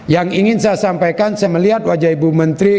yang ingin saya sampaikan saya melihat wajah ibu menteri